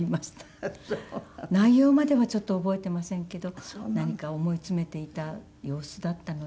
内容まではちょっと覚えていませんけど何か思い詰めていた様子だったので。